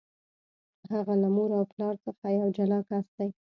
هغه له مور او پلار څخه یو جلا کس دی.